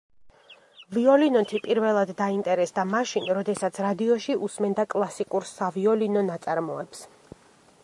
ვიოლინოთი პირველად დაინტერესდა მაშინ, როდესაც რადიოში უსმენდა კლასიკურ სავიოლინო ნაწარმოებს.